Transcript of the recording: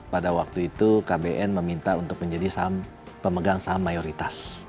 pada waktu itu kbn meminta untuk menjadi pemegang saham mayoritas